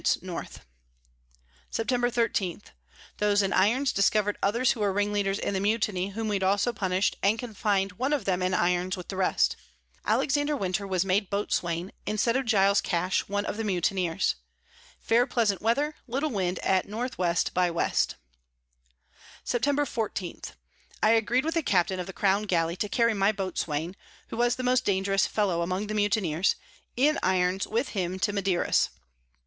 N. Sept. 13. Those in Irons discover'd others who were Ringleaders in the Mutiny, whom we also punish'd, and confin'd one of them in Irons with the rest. Alexander Wynter was made Boatswain instead of Giles Cash, one of the Mutineers. Fair pleasant Weather, little Wind at N W by W. [Sidenote: Arrival among the Canary Isles.] Sept. 14. I agreed with the Captain of the Crown Galley to carry my Boatswain (who was the most dangerous Fellow among the Mutineers) in Irons with him to Maderas.